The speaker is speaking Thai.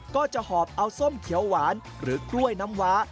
ก็จะหอบเอาส้มเขียวหวานหรือกล้วยน้ำว้า